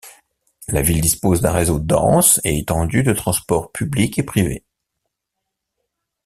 La ville dispose d'un réseau dense et étendu de transports publics et privés.